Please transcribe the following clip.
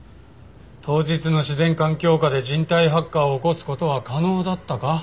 当日の自然環境下で人体発火を起こす事は可能だったか？